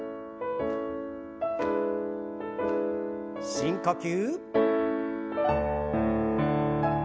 深呼吸。